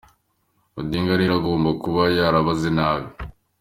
Odinga rero agomba kuba yarabaze nabi.